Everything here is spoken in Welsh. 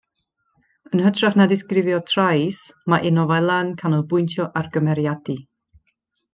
Yn hytrach na disgrifio trais mae ei nofelau'n canolbwyntio ar gymeriadu.